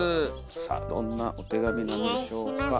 さあどんなお手紙なんでしょうか。